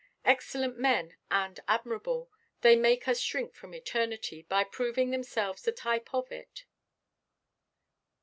Excellent men, and admirable, they make us shrink from eternity, by proving themselves the type of it.